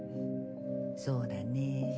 そうだね。